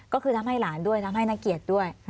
ก็คือทำให้หลานด้วยทำให้นักเกียรติด้วย